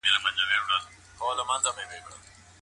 که تعلیمي ویډیو وي نو درس نه ټکنی کیږي.